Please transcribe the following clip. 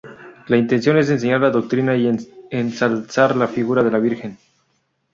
La intención es enseñar la doctrina y ensalzar la figura de la Virgen.